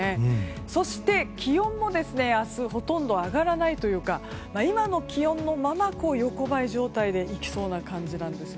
そして、気温も明日ほとんど上がらないというか今の気温のまま横ばい状態でいきそうな感じです。